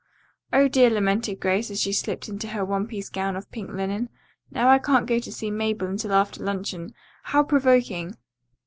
"Oh, dear," lamented Grace as she slipped into her one piece gown of pink linen, "now I can't go to see Mabel until after luncheon. How provoking!"